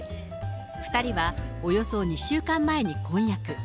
２人はおよそ２週間前に婚約。